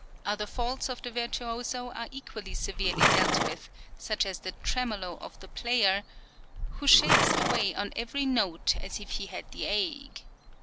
Other faults of the virtuoso are equally severely dealt with, such as the tremolo of the player "who shakes away on every note as if he had the ague" (p.